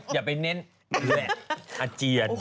อย่าไปเน้นแหละอาเจียน